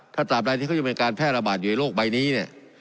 ถ้าตราบใดที่เขายังเป็นการแพร่ระบาดอยู่ในโลกใบนี้เนี่ย